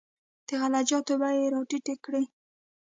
د غله جاتو بیې یې راټیټې کړې.